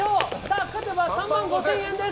勝てば３万５０００円です。